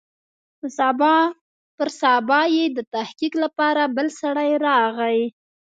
پر سبا يې د تحقيق لپاره بل سړى راغى.